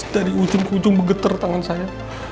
dari ujung ujung begeter tangan saya